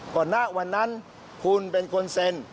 ณวันนั้นคุณเป็นคนเซ็น